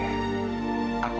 sampai jumpa lagi